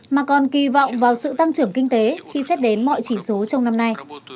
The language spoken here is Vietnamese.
mà còn kỳ vọng vào sự tăng trưởng kinh tế khi xét đến mọi chỉ số trong năm nay